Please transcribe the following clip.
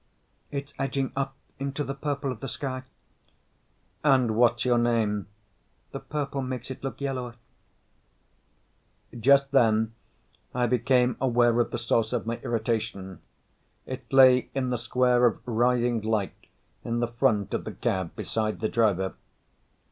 "It's edging up into the purple of the sky." "And what's your name?" "The purple makes it look yellower." Just then I became aware of the source of my irritation. It lay in the square of writhing light in the front of the cab beside the driver.